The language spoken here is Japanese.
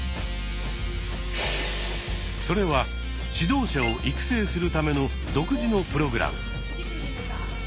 それは指導者を育成するための独自のプログラム。